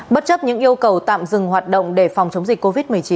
bất chấp những yêu cầu tạm dừng hoạt động để phòng chống dịch covid một mươi chín